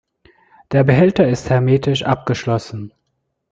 Der Behälter ist hermetisch abgeschlossen.